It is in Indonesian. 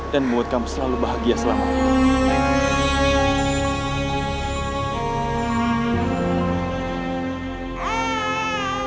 dan membuat kamu selalu bahagia selama lamanya